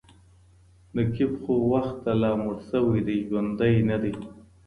نقيب خو وخته لا مړ سوى دی ژوندى نـه دئ